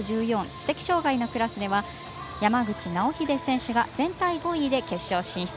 知的障がいのクラスでは山口尚秀選手が全体５位で決勝進出。